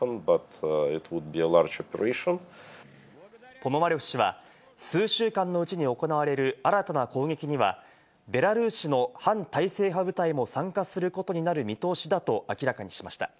ポノマリョフ氏は数週間のうちに行われる新たな攻撃にはベラルーシの反体制派部隊も参加することになる見通しだと明らかにしました。